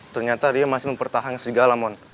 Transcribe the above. ternyata dia masih mempertahankan serigala mon